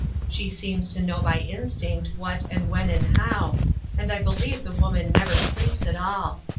She seems to know by instinct what and when and how, and I believe the woman never sleeps at all.